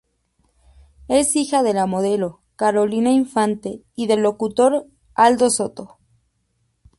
Es hija de la modelo Carolina Infante y del locutor Aldo Soto.